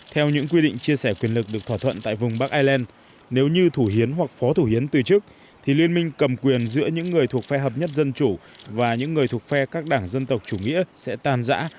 theo những quy định chia sẻ quyền lực được thỏa thuận tại vùng bắc ireland nếu như thủ hiến hoặc phó thủ hiến từ chức thì liên minh cầm quyền giữa những người thuộc phe hợp nhất dân chủ và những người thuộc phe các đảng dân tộc chủ nghĩa sẽ tàn giã